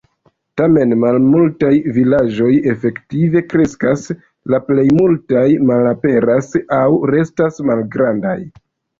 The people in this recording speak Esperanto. Tamen malmultaj vilaĝoj efektive kreskas, la plej multaj malaperas aŭ restas malgrandaj.